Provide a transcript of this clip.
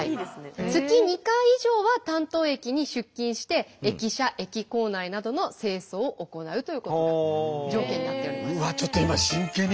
月２回以上は担当駅に出勤して駅舎・駅構内などの清掃を行うということが条件になっております。